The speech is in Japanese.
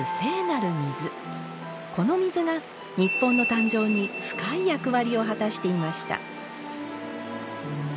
この水が日本の誕生に深い役割を果たしていました。